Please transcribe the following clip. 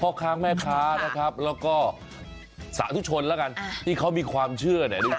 พ่อค้าแม่ค้านะครับแล้วก็สาธุชนแล้วกันที่เขามีความเชื่อเนี่ย